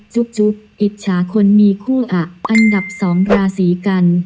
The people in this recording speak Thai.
จุ๊บจุ๊บอิจฉาคนมีคู่อ่ะอันดับสองราศีกัน